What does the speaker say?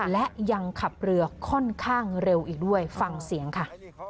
และยังขับเรือค่อนข้างเร็วอีกด้วยฟังเสียงค่ะ